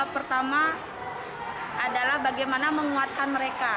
pertama adalah bagaimana menguatkan mereka